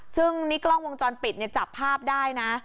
ซึ่งนี่กล้องวงจรปิดเนี่ยจับภาพได้นะ